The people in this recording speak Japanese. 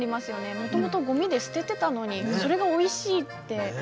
もともと、ごみで捨ててたのにそれが、おいしいって。